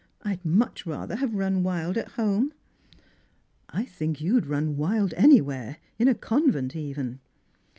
I'd much rather have run wild at home." " I think you'd run ^fild anywhere, in a convent, even."